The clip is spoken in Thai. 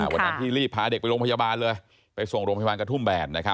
วันที่รีบพาเด็กไปโรงพยาบาลเลยไปส่งโรงพยาบาลกระทุ่มแบน